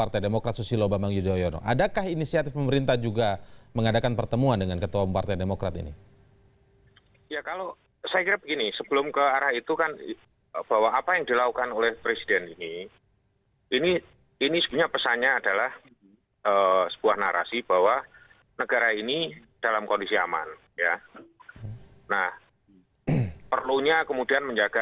tentunya inisiatif itu tidak boleh dari kami